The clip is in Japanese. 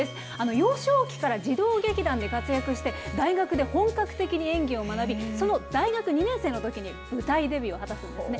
幼少期から児童劇団で活躍して、大学で本格的に演技を学び、その大学２年生のときに舞台デビューを果たしているんですね。